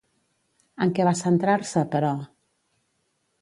En què va centrar-se, però?